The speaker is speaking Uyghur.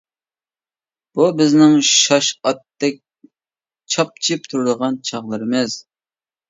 بۇ بىزنىڭ شاش ئاتتەك چاپچىپ تۇرىدىغان چاغلىرىمىز.